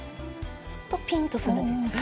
そうするとピンとするんですね。